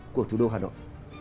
của thủ đô hà nội